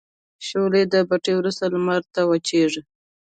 شولې له بټۍ وروسته لمر ته وچیږي.